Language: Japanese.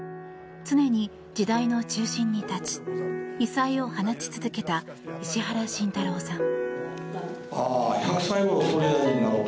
常に時代の中心に立ち異彩を放ち続けた石原慎太郎さん。